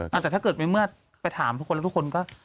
แต่ถ้าเกิดในเมื่อไปถามทุกคนแล้วทุกคนก็